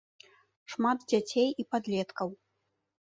Шмат дзяцей і падлеткаў.